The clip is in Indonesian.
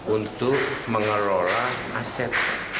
untuk mengelola aset